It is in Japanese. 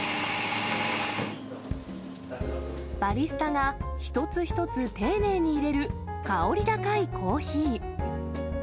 バリスタが一つ一つ丁寧にいれる香り高いコーヒー。